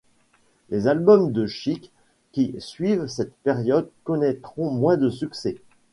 Les albums de Chic qui suivent cette période connaîtront moins de succès.